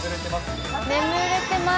眠れてます？